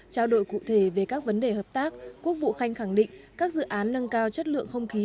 trao đổi cụ thể về các vấn đề hợp tác quốc vụ khanh khẳng định các dự án nâng cao chất lượng không khí